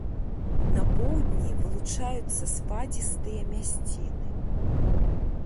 На поўдні вылучаюцца спадзістыя мясціны.